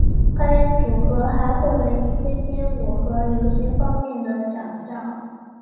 该组合还获得一些编舞和流行方面的奖项。